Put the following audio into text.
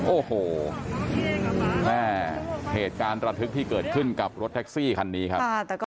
โอ้โหแม่เหตุการณ์ระทึกที่เกิดขึ้นกับรถแท็กซี่คันนี้ครับ